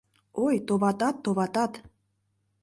Ой, товатат, товатат